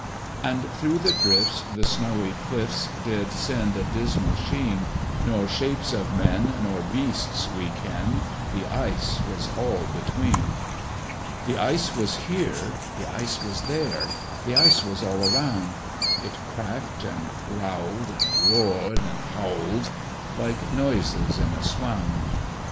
And through the drifts the snowy clifts Did send a dismal sheen: Nor shapes of men nor beasts we ken The ice was all between. The ice was here, the ice was there, The ice was all around: It cracked and growled, and roared and howled, Like noises in a swound!